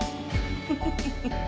フフフフッ。